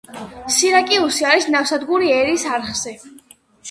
სირაკიუსი არის ნავსადგური ერის არხზე.